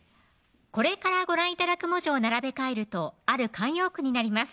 これからご覧頂く文字を並べ替えるとある慣用句になります